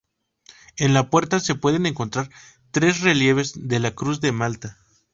En la puerta se pueden encontrar tres relieves de la cruz de Malta.